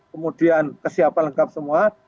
kemudian kesiapan lengkap semua